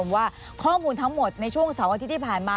ว่าข้อมูลทั้งหมดในช่วงเสาร์อาทิตย์ที่ผ่านมา